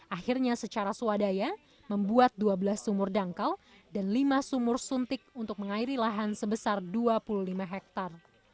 akhirnya secara swadaya membuat dua belas sumur dangkal dan lima sumur suntik untuk mengairi lahan sebesar dua puluh lima hektare